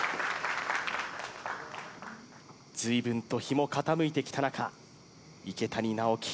随分と日も傾いてきた中池谷直樹